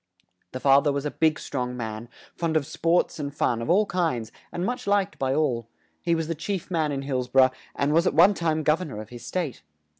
The fa ther was a big strong man, fond of sports and fun of all kinds and much liked by all; he was the chief man in Hills bor ough, and was at one time gov ern or of his state.